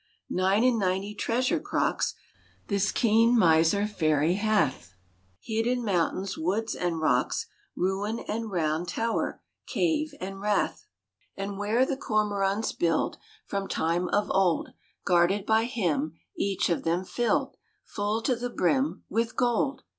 Nine and ninety treasure crocks This keen miser fairy hath, Hid in mountains, woods and rocks, Ruin and round tow'r, cave and rath, RAINBOW GOLD And where the cormorants build; From time of old Guarded by him; Each of them fill'd Full to the brim With gold!